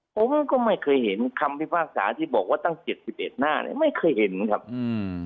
ผมก็ไม่เคยเห็นคำพิพากษาที่บอกว่าตั้งเจ็ดสิบเอ็ดหน้าเนี้ยไม่เคยเห็นครับอืม